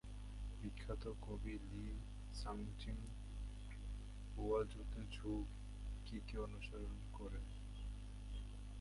বিখ্যাত কবি Li Shangyin হুয়াঝুতে ঝু কিকে অনুসরণ করেন।